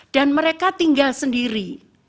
dan mereka tinggal sendiri